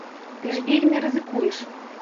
Ты ж вельмі рызыкуеш.